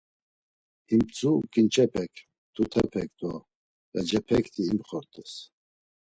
Him mtzu ǩinçepek, mtutepek do ğecepekti imxort̆es.